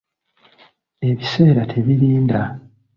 Ebiseera tebirinda.